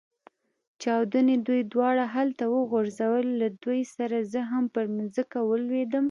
چاودنې دوی دواړه هلته وغورځول، له دوی سره زه هم پر مځکه ولوېدم.